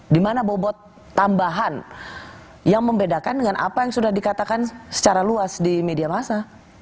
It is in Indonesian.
di mana bobot tambahan yang membedakan dengan apa yang sudah dikatakan secara luas di media masa